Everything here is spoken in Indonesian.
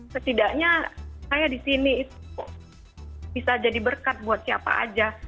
setidaknya saya di sini itu bisa jadi berkat buat siapa aja